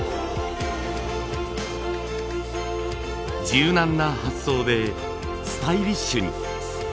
柔軟な発想でスタイリッシュに。